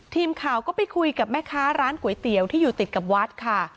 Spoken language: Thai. ทีมข่าวก็ไปคุยกับแม่ค้าร้านก๋วยเตี๋ยวที่อยู่ติดกับวัดค่ะ